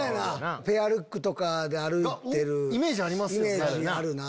ペアルックとかで歩いてるイメージあるな。